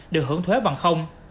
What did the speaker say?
được hưởng thuế bằng không